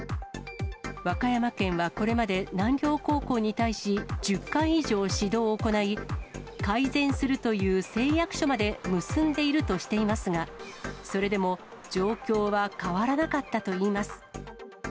和歌山県はこれまで、南陵高校に対し、１０回以上指導を行い、改善するという誓約書まで結んでいるとしていますが、それでも状況は変わらなかったといいます。